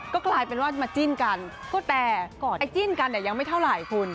ก็กลายเป็นว่ามาจิ้นกันก็แต่ก่อนไอ้จิ้นกันเนี่ยยังไม่เท่าไหร่คุณ